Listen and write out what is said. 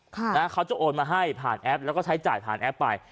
เขาจะโอนมาให้ผ่านแอปแล้วก็ใช้จ่ายผ่านแอปไป